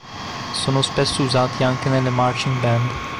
Sono spesso usati anche nelle marching band.